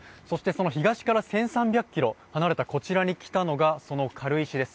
東から１３００ｋｍ離れたこちらに来たのがその軽石です。